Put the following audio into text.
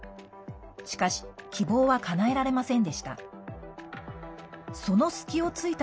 しかし、希望はかなえられませんでした。